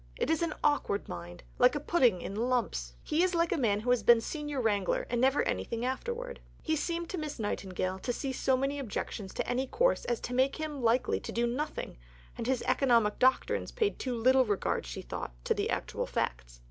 It is an awkward mind like a pudding in lumps. He is like a man who has been senior wrangler and never anything afterwards." He seemed to Miss Nightingale to see so many objections to any course as to make him likely to do nothing; and his economic doctrines paid too little regard, she thought, to the actual facts.